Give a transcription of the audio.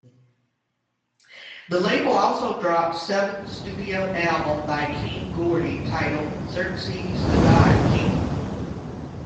The label also dropped seventh studio album by King Gordy titled "Xerxes The God-King".